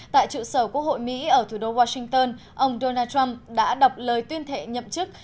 tại trụ sở quốc hội mỹ ở thủ đô washington ông donald trump đã đọc lời tuyên thệ nhậm chức